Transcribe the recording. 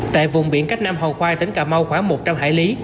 tại vùng biển cách nam hò khoai tỉnh cà mau khoảng một trăm linh hải lý